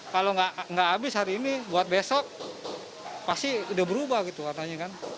kalau nggak habis hari ini buat besok pasti udah berubah gitu warnanya kan